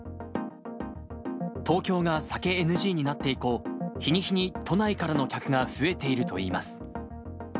東京が酒ＮＧになって以降、日に日に都内からの客が増えているといいます。